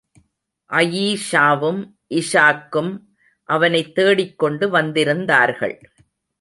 அயீஷாவும் இஷாக்கும் அவனைத் தேடிக்கொண்டு வந்திருந்தார்கள்.